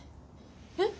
えっ？